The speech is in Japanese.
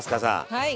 はい。